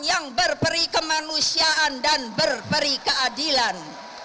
yang berperi kemanusiaan dan berperi keadilan